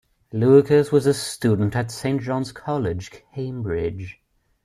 Lucas was a student at Saint John's College, Cambridge.